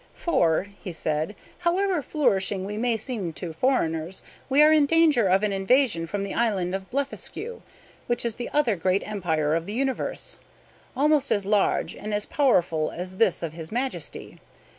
"For," he said, "however flourishing we may seem to foreigners, we are in danger of an invasion from the island of Blefuscu, which is the other great empire of the universe, almost as large and as powerful as this of his Majesty.